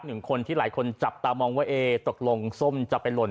หนึ่งคนที่หลายคนจับตามองว่าเอ๊ตกลงส้มจะไปหล่น